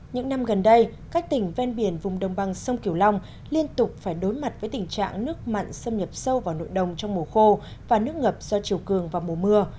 những năm gần đây các tỉnh ven biển vùng đồng bằng sông kiều long liên tục phải đối mặt với tình trạng nước mặn xâm nhập sâu vào nội đồng trong mùa khô và nước ngập do chiều cường vào mùa mưa